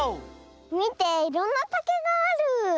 みていろんなたけがある。